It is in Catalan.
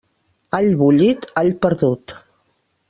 All bullit, all perdut.